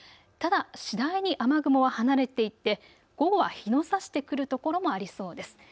ただ次第に雨雲は離れていって午後は日のさしてくる所もありそうです。